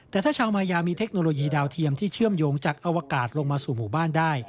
แต่ถ้าชาวมายามีเทคโนโลยีดาวเทียมที่เชื่อมโยงจากอวกาศลงมาสู่หมู่บ้านได้